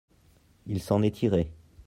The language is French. il s'en est tiré.